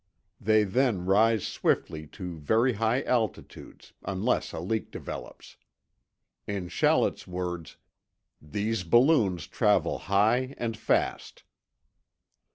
They then rise swiftly to very high altitudes, unless a leak develops. In Shallett's words, "These balloons travel high and fast.